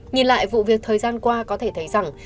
nhìn lại vụ việc thời gian qua có thể thấy rằng